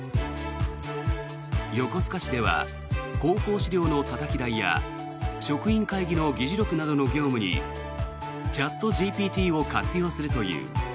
横須賀市では広報資料のたたき台や職員会議の議事録などの業務にチャットＧＰＴを活用するという。